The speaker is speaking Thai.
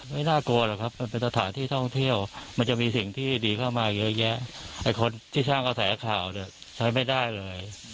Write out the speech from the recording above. ไม่น่ากลัวหรอกครับมันเป็นสถานที่ท่องเที่ยวมันจะมีสิ่งที่ดีเข้ามาเยอะแยะไอ้คนที่สร้างกระแสข่าวเนี่ยใช้ไม่ได้เลย